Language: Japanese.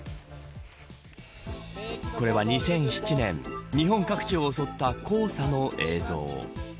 これは２００７年日本各地を襲った黄砂の映像。